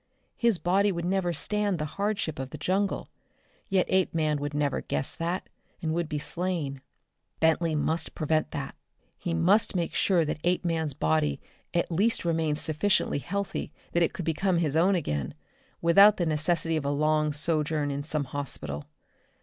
His body would never stand the hardship of the jungle, yet Apeman would never guess that, and would be slain. Bentley must prevent that. He must make sure that Apeman's body at least remained sufficiently healthy that it could become his own again without the necessity of a long sojourn in some hospital.